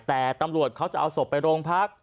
แต่ตำรวจเขาจะเอาศพไปโรงพัก